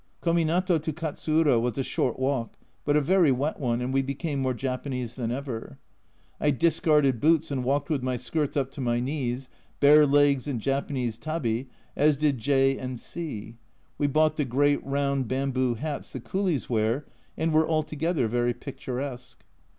Kominato to Katsuura was a short walk, but a very wet one, and we became more Japanese than ever. I discarded boots and walked with my skirts up to my knees, bare legs and Japanese tabi, as did J and C . We bought the great round bamboo hats the coolies wear, and were altogether very picturesque.